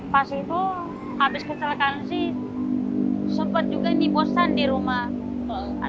pas itu habis kecelakaan sih sempat juga ini bosan di rumah